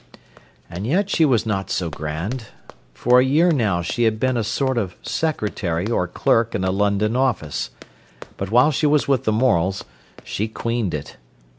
And yet she was not so grand. For a year now she had been a sort of secretary or clerk in a London office. But while she was with the Morels she queened it.